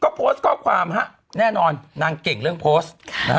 ก็โพสต์ข้อความฮะแน่นอนนางเก่งเรื่องโพสต์นะฮะ